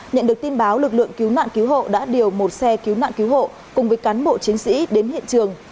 nhận được tin báo lực lượng cứu nạn cứu hộ đã điều một xe cứu nạn cứu hộ cùng với cán bộ chiến sĩ đến hiện trường